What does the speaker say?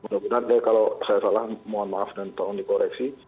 mudah mudahan ya kalau saya salah mohon maaf dan tolong dikoreksi